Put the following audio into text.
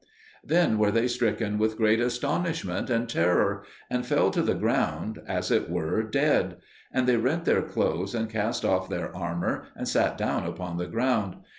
Then were they stricken with great astonishment and terror, and fell to the ground as it were dead; and they rent their clothes and cast off their armour, and sat down upon the ground.